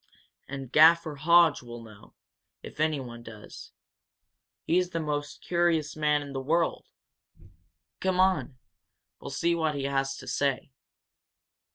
And Gaffer Hodge will know, if anyone does. He's the most curious man in the world. Come on we'll see what he has to say."